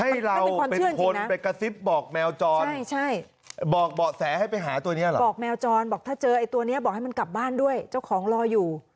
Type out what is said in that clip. ให้เราเป็นคนไปกระซิบบอกแมวจรบอกเบาะแสให้ไปหาตัวนี้เหรอบอกแมวจรบอกถ้าเจอไอ้ตัวนี้บอกให้มันกลับบ้านด้วยเจ้าของรออยู่